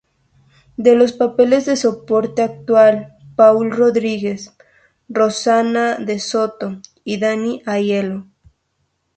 En los papeles de soporte actúan Paul Rodríguez, Rosana DeSoto y Danny Aiello.